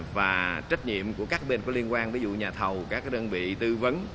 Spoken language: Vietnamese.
và trách nhiệm của các bên có liên quan ví dụ nhà thầu các đơn vị tư vấn